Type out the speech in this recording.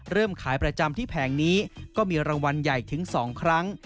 เริ่มขายประจำที่แผงนี้ก็มีรางวัลใหญ่ถึง๒ครั้ง